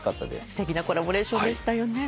すてきなコラボレーションでしたよね。